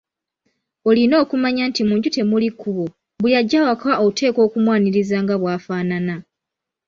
Olina okumanya nti mu nju temuli kkubo, buli ajja awaka oteekwa okumwaniriza nga bw'afaanana.